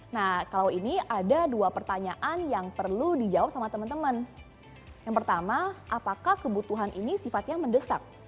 nah kalau ini ada dua pertanyaan yang perlu dijawab sama teman teman yang pertama apakah kebutuhan ini sifatnya mendesak